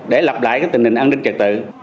để lập lại tình hình an ninh trật tự